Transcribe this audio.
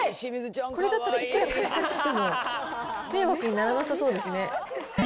これだったらいくらかちかちしても迷惑にならなさそうですね。